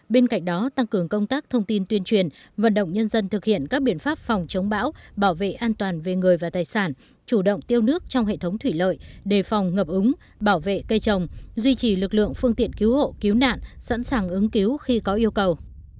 bên cạnh đó tăng cường công tác thông tin tuyên truyền vận động nhân dân thực hiện các biện pháp phòng chống bão bảo vệ an toàn về người và tài sản chủ động tiêu nước trong hệ thống thủy lợi đề phòng ngập úng bảo vệ cây trồng duy trì lực lượng phương tiện cứu hộ cứu nạn sẵn sàng ứng cứu khi có yêu cầu